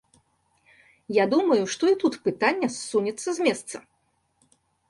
Я думаю, што і тут пытанне ссунецца з месца.